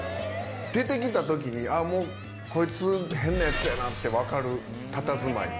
出てきたときに、あーもうこいつ、変な奴やなって分かるたたずまい。